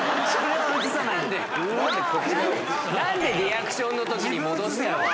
何でリアクションのときに戻しちゃうの？